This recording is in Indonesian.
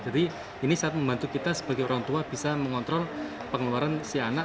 jadi ini saat membantu kita sebagai orang tua bisa mengontrol pengeluaran si anak